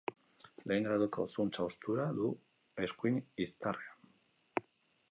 Lehen graduko zuntz haustura du eskuin iztarrean.